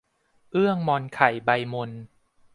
เอื้องมอนไข่ใบมน